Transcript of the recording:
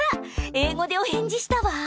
英語でお返事したわ！